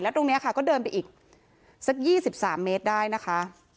แล้วตรงเนี้ยค่ะก็เดินไปอีกสักยี่สิบสามเมตรได้นะคะ